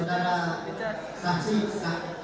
terima kasih pak